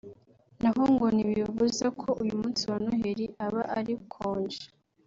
naho ngo ntibibuza ko uyu munsi wa Noheli uba ari konji